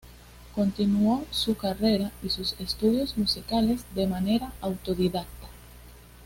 Continuó su carrera y sus estudios musicales de manera autodidacta.